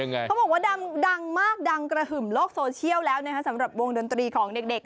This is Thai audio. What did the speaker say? เขาบอกว่าดังมากดังกระหึ่มโลกโซเชียลแล้วนะคะสำหรับวงดนตรีของเด็ก